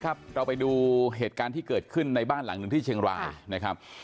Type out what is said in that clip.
เราไปดูเหตุการณ์ที่เกิดขึ้นในบ้านหลังหนึ่งที่เชียงรายนะครับ